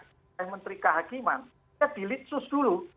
oleh menteri kehakiman ya di litsus dulu